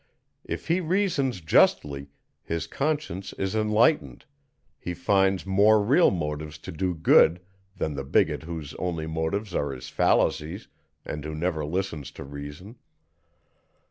If he reasons justly, his conscience is enlightened; he finds more real motives to do good than the bigot whose only motives are his fallacies, and who never listens to reason.